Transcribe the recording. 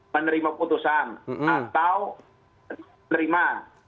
menerima putusan atau menerima